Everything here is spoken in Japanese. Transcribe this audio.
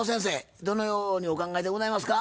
どのようにお考えでございますか？